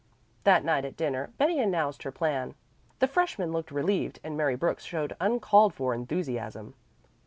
That night at dinner Betty announced her plan. The freshmen looked relieved and Mary Brooks showed uncalled for enthusiasm.